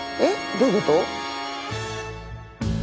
どういうこと？